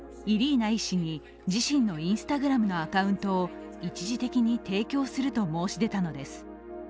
イリーナ医師に自身のＩｎｓｔａｇｒａｍのアカウントを一時的に提供すると申し出たのです。